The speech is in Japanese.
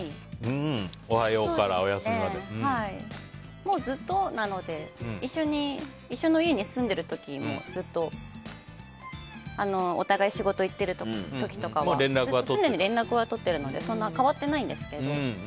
もう、ずっとなので一緒の家に住んでいる時もずっと、お互い仕事に行ってる時とかは常に連絡は取っているのでそんなに変わってないんですけど。